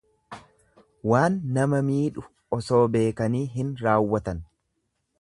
Waan nama miidhu osoo beekanii hin raawwatan.